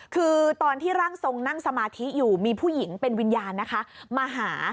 คือตอนที่ร่างทรงนั่งสมาธิอยู่มีผู้หญิงเป็นวิญญาณนะคะมาหา